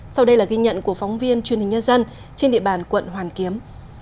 sau đây là ghi nhận của phóng viên truyền hình nhân dân trên địa bàn quận hoàn kiếm